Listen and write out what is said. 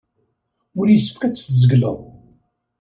Ur yessefk ad t-tzegleḍ.